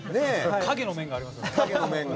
陰の面がありますよね。